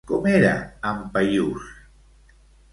Com era en Paiús?